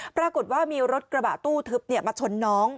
ปรากฏว่ามีรถกระบะตู้ทึบมาชนน้อง